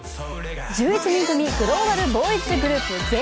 １１人組グローバルボーイズグループ、ＪＯ１。